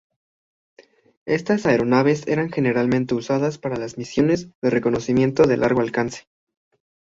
Estas aeronaves, eran generalmente usadas para misiones de reconocimiento de largo alcance.